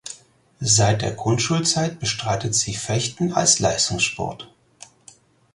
Seit der Grundschulzeit bestreitet sie Fechten als Leistungssport.